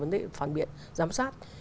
để phản biện giám sát